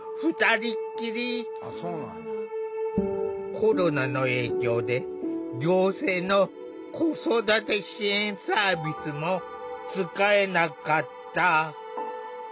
コロナの影響で行政の子育て支援サービスも使えなかった。